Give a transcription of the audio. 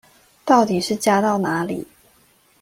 到底是加到哪裡